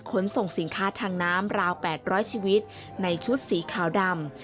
ขนส่งสินค้าทางน้ำราว๘๐๐ชีวิตในชุดสีขาวดำ